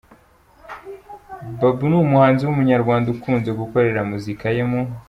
Babo ni umuhanzi w'umunyarwanda ukunze gukorera muzika ye mu.